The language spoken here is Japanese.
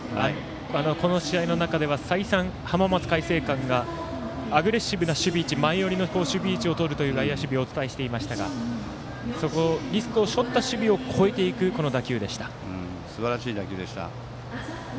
この試合の中では再三、浜松開誠館がアグレッシブな守備位置前寄りの守備をするという外野守備をお伝えしていましたがリスクを背負った守備をこえていく、この打球でした。